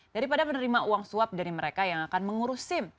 daripada menerima uang suap dari mereka yang akan mengurus sim